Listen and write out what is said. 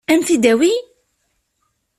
Ad m-t-id-tawi?